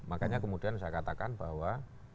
makanya kemudian saya katakan bahwa